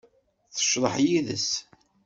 Tecḍeḥ yid-s.